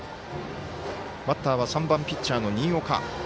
バッターは３番ピッチャーの新岡。